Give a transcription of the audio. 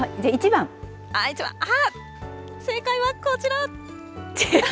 １番、正解はこちら！